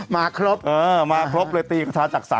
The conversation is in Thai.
มาครบมาครบเลยตีกระทาจักษัง